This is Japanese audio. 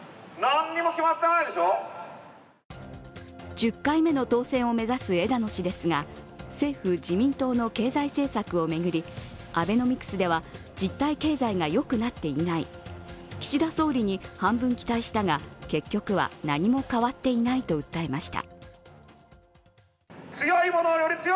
１０回目の当選を目指す枝野氏ですが、政府・自民党の経済政策を巡りアベノミクスでは実体経済がよくなっていない、岸田総理に半分期待したが結局は何も変わっていないと訴えました。